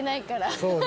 そうね